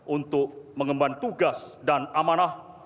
untuk mengemban tugas dan amanah